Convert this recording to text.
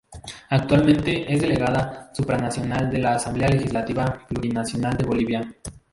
Actualmente es delegada supranacional de la Asamblea Legislativa Plurinacional de Bolivia.